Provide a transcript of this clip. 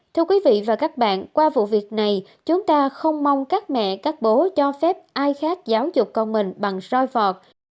thưa quý vị và các bạn qua vụ việc này chúng ta không mong các mẹ các bố cho phép ai khác giáo dục con mình bằng soi vọt